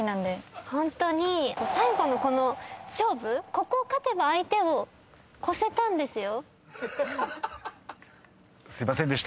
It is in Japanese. ここ勝てば相手を超せたんですよ。